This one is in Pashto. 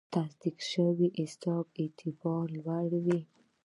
د تصدیق شوي حساب اعتبار لوړ وي.